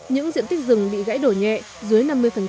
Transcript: những diện tích rừng bị gãy đổ nhẹ dưới năm mươi